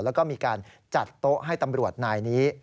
แล้วก็มีการจัดโต๊ะให้ตำรวจนายนี้